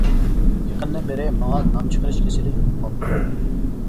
يېقىندىن بېرى ماڭا نام چىقىرىش كېسىلى يۇقۇپ قالدى.